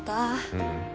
うん。